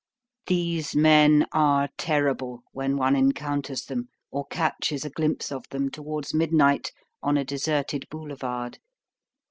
These men are terrible, when one encounters them, or catches a glimpse of them, towards midnight, on a deserted boulevard.